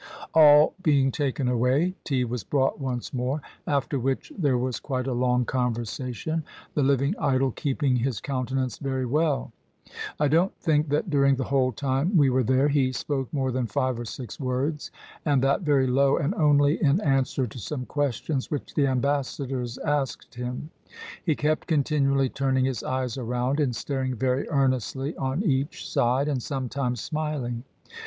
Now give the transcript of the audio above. All being taken away, tea was brought once more, after which there was quite a long conversation, the living idol keeping his countenance very well. I don't think that during the whole time we were there he spoke more than five or six words, and that very low and only in answer to some questions which the ambassadors asked him. He kept continually turning his eyes around and staring very earnestly on each side, and sometimes smiling.